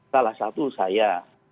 salah satu saya